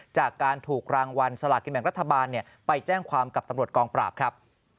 จากการถูกรางวัลสลากินแบ่งรัฐบาลไปแจ้งความกับตำรวจกองปราบครับ